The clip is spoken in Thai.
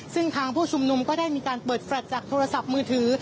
ซึ่งทางผู้ชุมนุมก็ได้มีการเปิดแฟลต์จากโทรศัพท์มือถือ